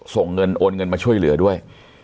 ส่งเงินโอนเงินมาช่วยเหลือด้วย